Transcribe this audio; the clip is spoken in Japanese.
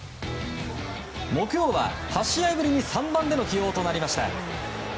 木曜は８試合ぶりに３番での起用となりました。